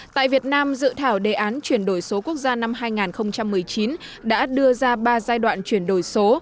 tại việt nam dự thảo đề án chuyển đổi số quốc gia năm hai nghìn một mươi chín đã đưa ra ba giai đoạn chuyển đổi số